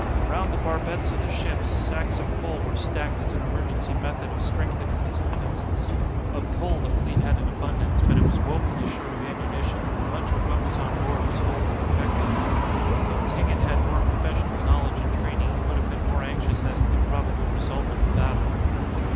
Round the barbettes of the ships sacks of coal were stacked as an emergency method of strengthening these defences. Of coal the fleet had an abundance, but it was woefully short of ammunition, and much of what was on board was old and defective. If Ting had had more professional knowledge and training, he would have been more anxious as to the probable result of a battle.